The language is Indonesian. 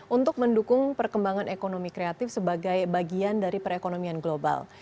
untuk mendukung perkembangan ekonomi kreatif sebagai bagian dari perekonomian global